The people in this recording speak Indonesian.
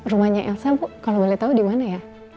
rumahnya elsa bu kalau boleh tahu dimana ya